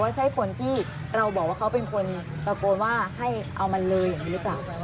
ว่าใช่คนที่เราบอกว่าเขาเป็นคนเรากลว่าให้เอามาเลยหรือเปล่า